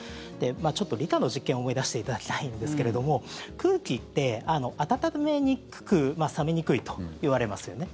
ちょっと理科の実験を思い出していただきたいんですけれども空気って暖めにくく冷めにくいといわれますよね。